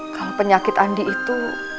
kalau penyakit andi itu